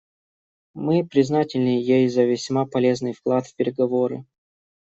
Мы признательны ей за весьма полезный вклад в переговоры.